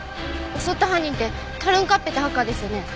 襲った犯人ってタルンカッペってハッカーですよね？